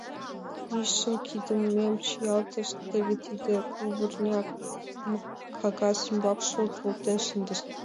Мийышым, кидемым чиялтышт, теве тиде кугыварням, кагаз ӱмбак шолт волтен шындышт.